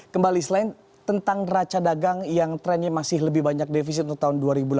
kembali selain tentang raca dagang yang trennya masih lebih banyak defisit untuk tahun dua ribu delapan belas